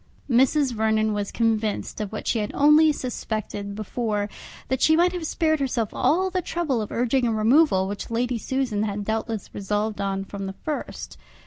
Mrs. Vernon was then convinced of what she had only suspected before, that she might have spared herself all the trouble of urging a removal which Lady Susan had doubtless resolved on from the first.